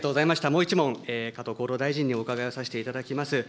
もう１問、加藤厚労大臣にお伺いをさせていただきます。